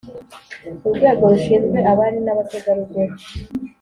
Urwego rushinzwe abari n,abatega rugori